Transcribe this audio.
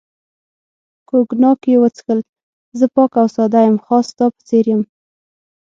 کوګناک یې وڅښل، زه پاک او ساده یم، خاص ستا په څېر یم.